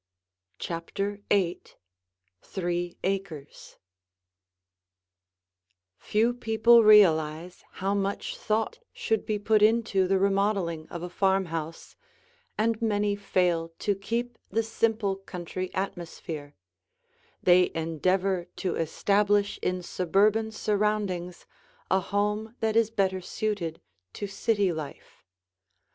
CHAPTER VIII THREE ACRES Few people realize how much thought should be put into the remodeling of a farmhouse, and many fail to keep the simple country atmosphere; they endeavor to establish in suburban surroundings a home that is better suited to city life.